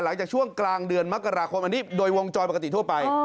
หลังจากช่วงกลางเดือนมกราคมอันนี้โดยวงจรปกติทั่วไป